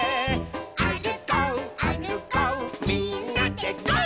「あるこうあるこうみんなでゴー！」